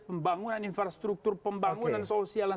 pembangunan infrastruktur pembangunan sosial